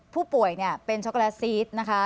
ผู้ป่วยเป็นช็อกโกแลตซีสนะคะ